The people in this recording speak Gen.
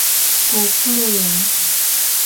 Koklo la.